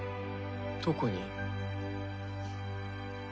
どこに？